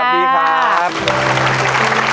สวัสดีครับ